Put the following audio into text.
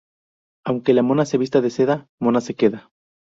Aunque la mona se vista de seda, mona se queda